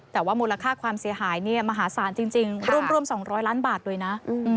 แต่ว่ามูลค่าความเสียหายมหาศาลจริงร่วม๒๐๐ล้านบาทเลยนะ